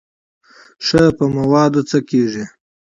ښه په موادو څه کېږي.